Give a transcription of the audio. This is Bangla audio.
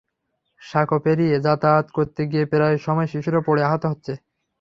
সাঁকো পেরিয়ে যাতায়াত করতে গিয়ে প্রায় সময় শিশুরা পড়ে আহত হচ্ছে।